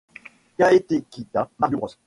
Kaettekita Mario Bros.